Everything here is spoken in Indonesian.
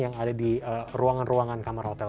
yang ada di ruangan ruangan kamar hotel